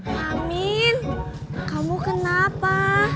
kang amin kamu kenapa